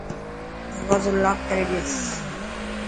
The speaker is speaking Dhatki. دروازو لاڪ ڪري ٻيس.